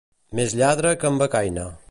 Més lladre que en Becaina.